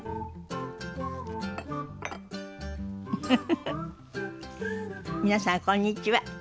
フフフフ皆さんこんにちは。